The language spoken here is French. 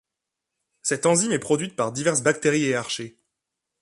Cette enzyme est produite par diverses bactéries et archées.